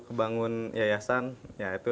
kebangun yayasan ya itu